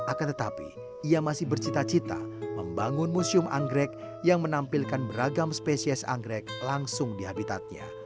akan tetapi ia masih bercita cita membangun museum anggrek yang menampilkan beragam spesies anggrek langsung di habitatnya